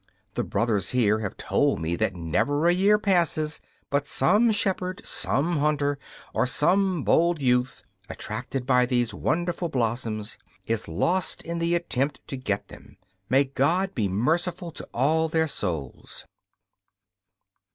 The brothers here have told me that never a year passes but some shepherd, some hunter or some bold youth, attracted by these wonderful blossoms, is lost in the attempt to get them. May God be merciful to all their souls!